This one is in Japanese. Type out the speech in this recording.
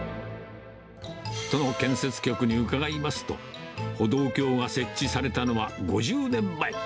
都の建設局に伺いますと、歩道橋が設置されたのは５０年前。